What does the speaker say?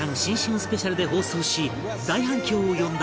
スペシャルで放送し大反響を呼んだ